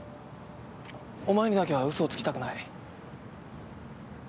お前にだけは嘘をつきたくない。